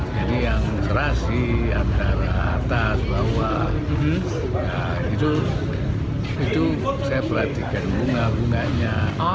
jadi yang serasi antara atas bawah itu saya perhatikan bunga bunganya